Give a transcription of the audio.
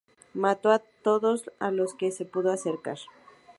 Mató a todos a los que se pudo acercar.